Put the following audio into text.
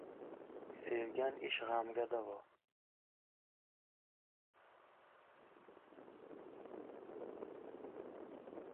Sevgan ish g‘amga davo.